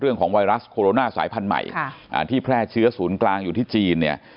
ไวรัสโคโรนาสายพันธุ์ใหม่ที่แพร่เชื้อศูนย์กลางอยู่ที่จีนเนี่ย